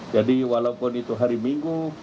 jadi walaupun itu hari minggu